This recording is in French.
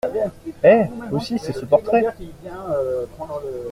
Eh ! aussi, c’est ce portrait !